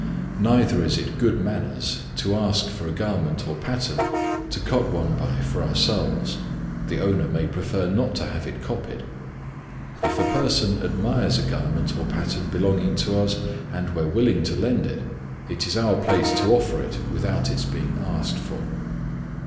Neither is it good manners to ask for a garment or pattern to cut one by for ourselves: the owner may prefer not to have it copied. If a person admires a garment or pattern belonging to us, and we are willing to lend it, it is our place to offer it without its being asked for.